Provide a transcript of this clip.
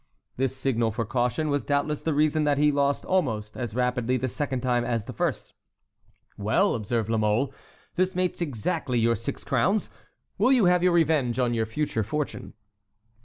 This signal for caution was doubtless the reason that he lost almost as rapidly the second time as the first. "Well," observed La Mole, "this makes exactly your six crowns. Will you have your revenge on your future fortune?"